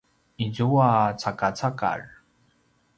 izua “cakacakar”